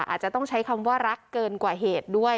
อาจจะต้องใช้คำว่ารักเกินกว่าเหตุด้วย